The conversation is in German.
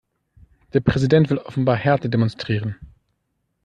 Der Präsident will offenbar Härte demonstrieren.